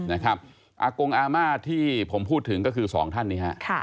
อากงอาม่าที่ผมพูดถึงก็คือสองท่านนี้ฮะ